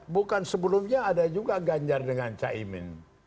bukan sebelumnya ada juga ganjar dengan cak imin